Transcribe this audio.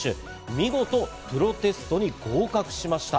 見事、プロテストに合格しました。